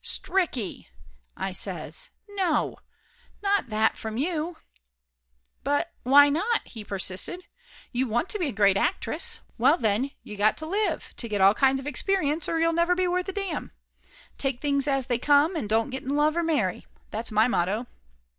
"Stricky !" I says. "No ! Not that from you !" "But why not?" he persisted. "You want to be a great actress. Well then, you got to live, to get all kinds of experience or you'll never be worth a damn. Take things as they come, and don't get in love or marry. That's my motto!"